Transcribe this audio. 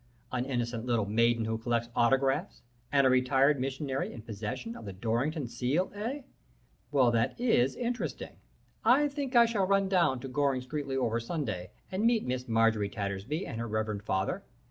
'An innocent little maiden who collects autographs, and a retired missionary in possession of the Dorrington seal, eh? Well, that is interesting. I think I shall run down to Goring Streatley over Sunday and meets Miss Marjorie Tattersby and her reverend father.